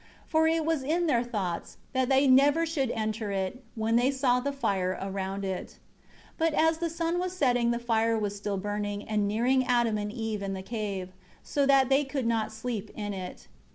For it was in their thoughts, that they never should enter it, when they saw the fire around it. 4 But as the sun was setting the fire was still burning and nearing Adam and Eve in the cave, so that they could not sleep in it.